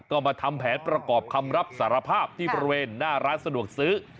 ก็มาทำแผนประกอบคำรับสารภาพที่บริเวณหน้าร้านสะดวกซื้อ